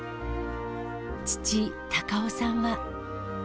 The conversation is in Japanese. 父、孝雄さんは。